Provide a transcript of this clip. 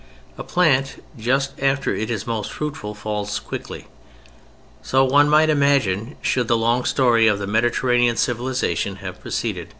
A plant, just after it is most fruitful, falls quickly. So, one might imagine, should the long story of Mediterranean civilization have proceeded.